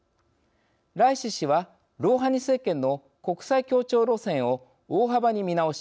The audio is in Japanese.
ライシ師は、ロウハニ政権の国際協調路線を大幅に見直し